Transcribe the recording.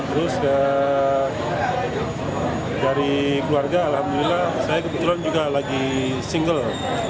terus dari keluarga alhamdulillah saya kebetulan juga lagi single